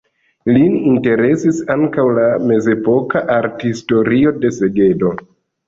Lin interesis ankaŭ la mezepoka arthistorio de Segedo.